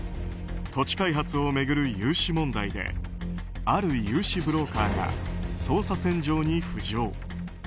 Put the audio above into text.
土地開発を巡る融資問題である融資ブローカーが捜査線上に浮上。